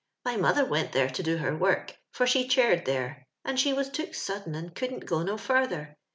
My mother went there to do her work, for she chaired there, and she was took sudden and couldn't go no further.